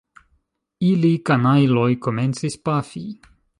Ili, kanajloj, komencis pafi!